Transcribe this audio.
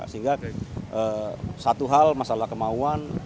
sehingga satu hal masalah kemauan